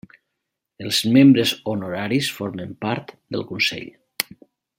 Els membres honoraris formen part del Consell.